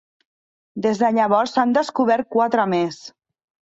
Des de llavors s'han descobert quatre més.